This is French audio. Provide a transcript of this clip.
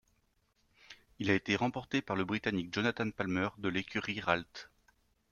Il a été remporté par le britannique Jonathan Palmer, de l'écurie Ralt.